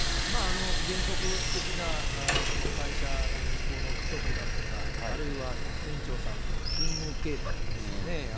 原則的な会社の運航の規則だとか、あるいは船長さんの勤務形態ですよね。